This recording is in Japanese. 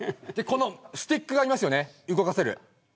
スティックがありますよね動かせる。